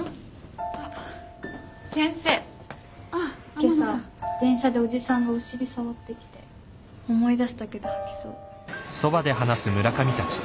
今朝電車でおじさんがお尻触ってきて思い出すだけで吐きそう。